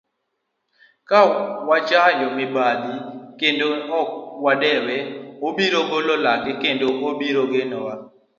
Ka wachayo mibadhi kendo ok wadewe, obiro golo lake kendo obiro negowa